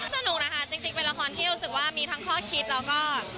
สนุกนะคะจริงเป็นละครที่รู้สึกว่ามีทั้งข้อคิดแล้วก็